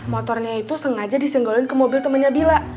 motornya itu sengaja disenggolin ke mobil temannya bila